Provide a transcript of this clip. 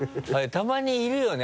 たまにいるよね